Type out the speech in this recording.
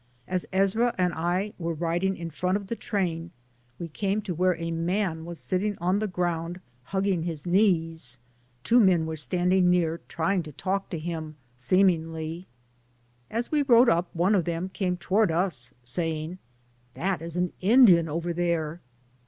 As Ezra and I were riding in front of the train we came to where a man was sitting on the ground hugging his knees, two men were standing near trying to talk to him, seem ingly. As w.e rode up one of them came to ward us, saying, "That is an Indian, over there."